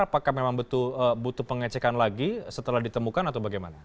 apakah memang butuh pengecekan lagi setelah ditemukan atau bagaimana